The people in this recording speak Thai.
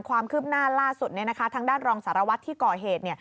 ความคืบหน้าล่าสุดทางด้านรองสารวัตรที่ก่อเหตุ